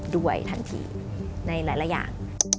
ด้วยทันทีในหลายอย่าง